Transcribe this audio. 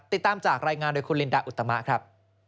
ติดตามจากรายงานโดยคุณลินดาอุตมะครับ